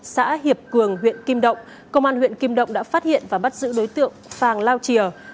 xã hiệp cường huyện kim động công an huyện kim động đã phát hiện và bắt giữ đối tượng phàng lao chìa